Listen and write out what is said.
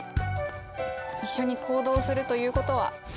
一緒に行動するということは。